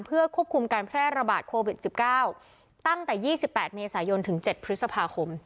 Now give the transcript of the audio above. เพื่อควบคุมการแพร่ระบาดโควิดสิบเก้าตั้งแต่ยี่สิบแปดเมษายนถึงเจ็ดพฤษภาคม